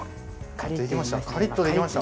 できました。